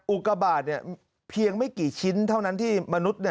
อุกบาทเพียงไม่กี่ชิ้นเท่านั้นที่มนุษย์